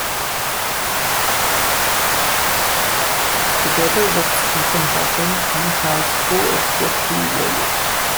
Together with Stephen Hawking, he has coedited two volumes.